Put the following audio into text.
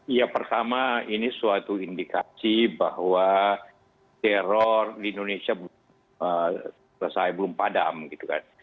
ya pertama ini suatu indikasi bahwa teror di indonesia belum selesai belum padam gitu kan